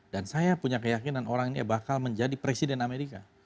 dan saya punya keyakinan orang ini ya bakal menjadi presiden amerika